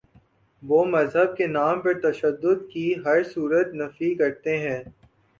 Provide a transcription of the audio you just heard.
وہ مذہب کے نام پر تشدد کی ہر صورت نفی کرتے ہیں۔